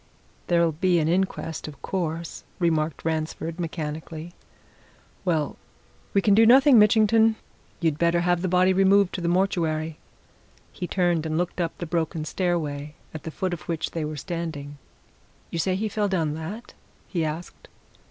"There'll be an inquest, of course," remarked Ransford mechanically. "Well we can do nothing, Mitchington. You'd better have the body removed to the mortuary." He turned and looked up the broken stairway at the foot of which they were standing. "You say he fell down that?" he asked.